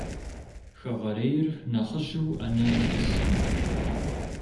Хэгъэрейр нэхъыжьу ӏэнэм тӏыскъым.